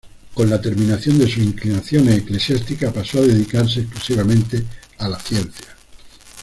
Con la terminación de sus inclinaciones eclesiásticas, pasó a dedicarse exclusivamente a las Ciencias.